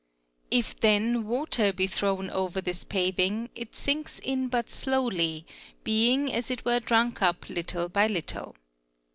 If then water be thrown over this — paving it sinks in but slowly, being as it were drunk up little by little.